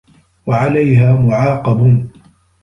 وَعَلَيْهَا مُعَاقَبٌ